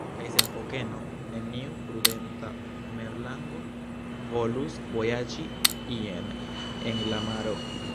Kaj sen fokeno neniu prudenta merlango volus vojaĝi ien en la maro.